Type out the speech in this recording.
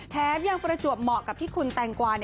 แถมยังประจวบเหมาะกับที่คุณแตงกวา